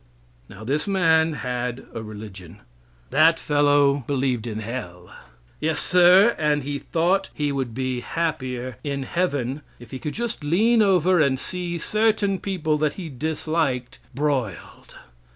Now this man had a religion. That fellow believed in hell. Yes, sir; and he thought he would be happier in heaven if he could just lean over and see certain people that he disliked, broiled.